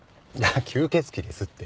吸血鬼ですって。